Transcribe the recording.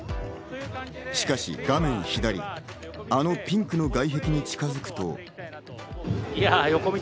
しかし画面左、あのピンクの外壁に近づくと。